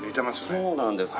そうなんです。